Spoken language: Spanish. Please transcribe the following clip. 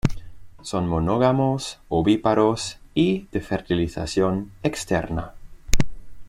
Son monógamos, ovíparos y de fertilización externa.